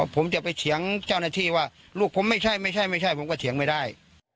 ผมจะไปเถียงเจ้าหน้าที่ว่าลูกผมไม่ใช่ไม่ใช่ผมก็เถียงไม่ได้